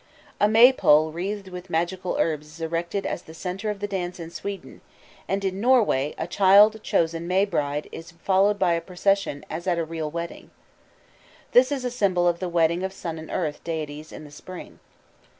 A May pole wreathed with magical herbs is erected as the center of the dance in Sweden, and in Norway a child chosen May bride is followed by a procession as at a real wedding. This is a symbol of the wedding of sun and earth deities in the spring.